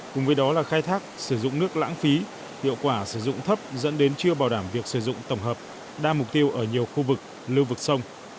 cùng với đó là khai thác sử dụng nước lãng phí hiệu quả sử dụng thấp dẫn đến chưa bảo đảm việc sử dụng tổng hợp đa mục tiêu ở nhiều khu vực lưu vực sông